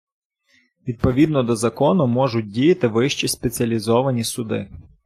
Відповідно до закону можуть діяти вищі спеціалізовані суди.